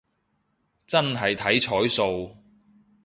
真係睇彩數